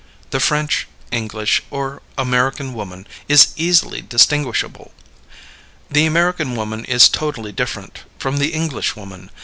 The French, English, or American woman is easily distinguishable. The American woman is totally different from the English woman.